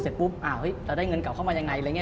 เสร็จปุ๊บเราได้เงินกลัวเข้ามายังไง